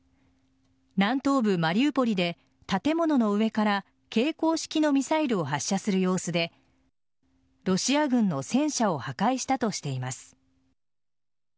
南東部・マリウポリで建物の上から携行式のミサイルを発射する様子でロシア軍の戦車を破壊したとしています。